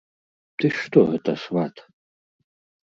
Ты што гэта, сват?